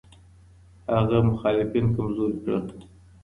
هغه مخالفین کمزوري کړل.